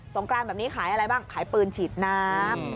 กรานแบบนี้ขายอะไรบ้างขายปืนฉีดน้ำ